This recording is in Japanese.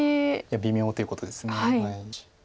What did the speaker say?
微妙ということです。